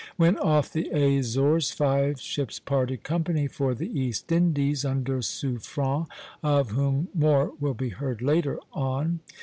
When off the Azores, five ships parted company for the East Indies, under Suffren, of whom more will be heard later on.